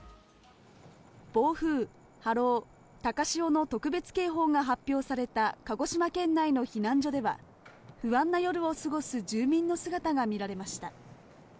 暴風、波浪、高潮の特別警報が発表された鹿児島県内の避難所では、不安な夜を過ごす住民の姿が見られました。